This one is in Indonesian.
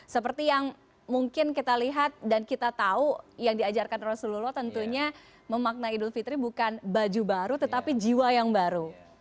seperti yang mungkin kita lihat dan kita tahu yang diajarkan rasulullah tentunya memaknai idul fitri bukan baju baru tetapi jiwa yang baru